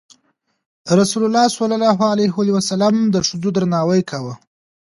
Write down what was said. رسول الله د ښځو درناوی کاوه.